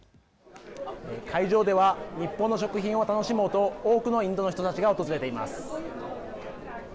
会場では日本の食品を楽しもうと多くのインドの人たちが訪れています。